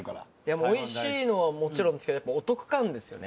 もう美味しいのはもちろんですけどやっぱお得感ですよね